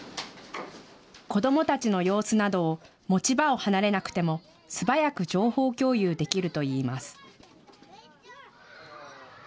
子どもたちの様子などを持ち場を離れなくても素早く情報共有できるといいます。